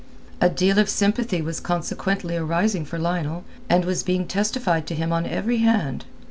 A deal of sympathy was consequently arising for Lionel and was being testified to him on every hand.